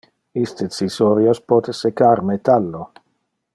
Iste cisorios pote secar metallo.